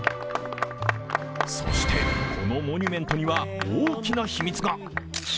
そして、このモニュメントには大きな秘密が。